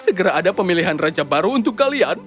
segera ada pemilihan raja baru untuk kalian